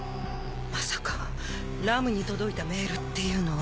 まさかラムに届いたメールっていうのは